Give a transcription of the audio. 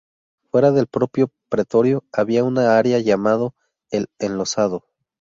Fuera del propio pretorio, había una área llamado "el Enlosado".